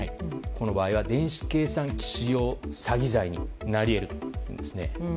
この場合は電子計算機使用詐欺罪になり得るというんですね。